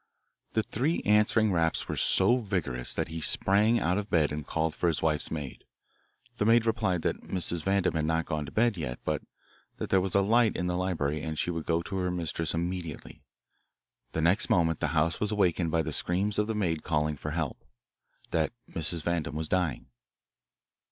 "The three answering raps were so vigorous that he sprang out of bed and called for his wife's maid. The maid replied that Mrs. Vandam had not gone to bed yet, but that there was a light in the library and she would go to her mistress immediately. The next moment the house was awakened by the screams of the maid calling for help, that Mrs. Vandam was dying.